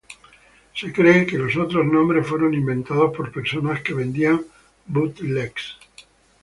Se cree que los otros nombres fueron inventados por personas que vendían "bootlegs".